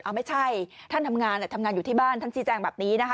อ้าวไม่ใช่ท่านทำงานอยู่ที่บ้านท่านสีแจงแบบนี้นะคะ